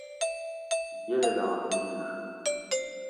ییلاں بِیڛ